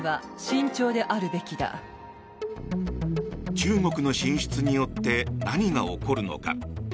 中国の進出によって何が起こるのか。